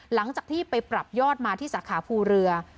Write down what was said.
หลังจากที่ไปปรับยอดมาที่สาขาภูเรือ